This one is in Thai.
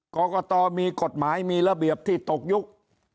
กรกตมีกฎหมายมีระเบียบที่ตกยุค